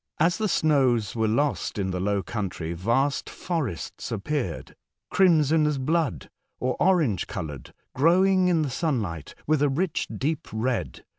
As the snows were lost in the low country, vast forests appeared — crimson as blood, or orange coloured — glowing in the sunlight with a rich deep red.